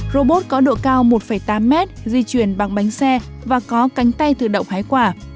robot có độ cao một tám mét di chuyển bằng bánh xe và có cánh tay tự động hái quả